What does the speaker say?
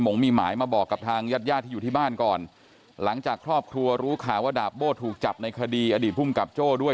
งมีหมายมาบอกกับทางญาติญาติที่อยู่ที่บ้านก่อนหลังจากครอบครัวรู้ข่าวว่าดาบโบ้ถูกจับในคดีอดีตภูมิกับโจ้ด้วย